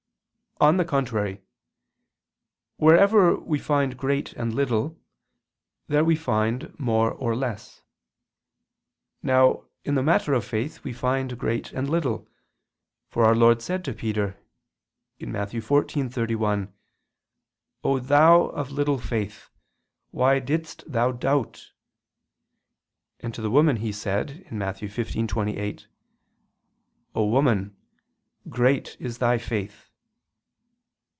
On the contrary, Wherever we find great and little, there we find more or less. Now in the matter of faith we find great and little, for Our Lord said to Peter (Matt. 14:31): "O thou of little faith, why didst thou doubt?" And to the woman he said (Matt. 15: 28): "O woman, great is thy faith!"